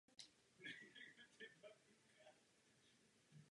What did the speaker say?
Jeho armáda se měla vyhnout Švýcarsku a směřovat přes Rýn na Belfort.